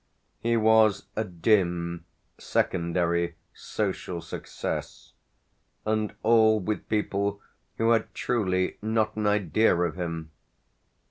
He was a dim secondary social success and all with people who had truly not an idea of him.